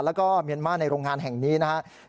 แล้วก็เมียนมาร์ในโรงงานแห่งนี้นะครับ